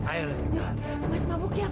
ayo lah sekar